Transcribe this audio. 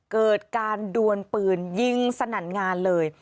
เกิดการดวนปืนยิงสนั่นงานเลย